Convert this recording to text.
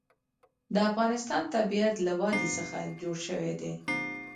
د افغانستان طبیعت له وادي څخه جوړ شوی دی.